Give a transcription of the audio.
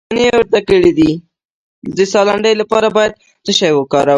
د ساه لنډۍ لپاره باید څه شی وکاروم؟